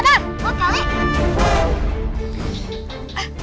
di perut adam